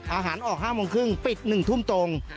อาหารออก๕โมงครึ่งปิด๑ทุ่มตรง